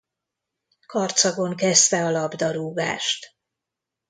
Karcagon kezdte a labdarúgást.